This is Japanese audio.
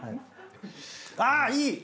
あっいい！